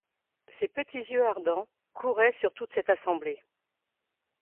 Ses petits yeux ardents couraient sur toute cette assemblée.